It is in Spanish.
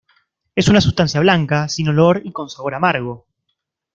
Es una sustancia blanca, sin olor y con sabor amargo.